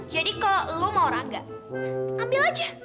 jadi kalau lo mau rangga ambil aja